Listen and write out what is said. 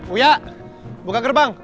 uya buka gerbang